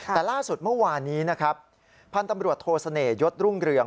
แต่ล่าสุดเมื่อวานนี้นะครับพันธุ์ตำรวจโทเสน่หยศรุ่งเรือง